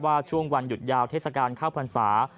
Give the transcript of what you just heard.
ช่วงวันหยุดยาวเทศกาลข้าวพรรษา